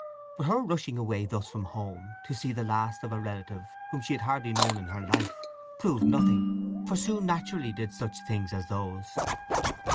But her rushing away thus from home, to see the last of a relative whom she had hardly known in her life, proved nothing; for Sue naturally did such things as those.